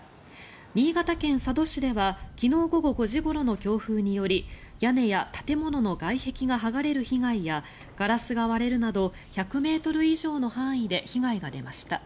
新潟県佐渡市では昨日午後５時ごろの強風により屋根や建物の外壁が剥がれる被害やガラスが割れるなど１００ｍ以上の範囲で被害が出ました。